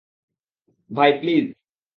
ভাই, প্লিজ।